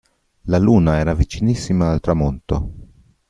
La luna era vicinissima al tramonto.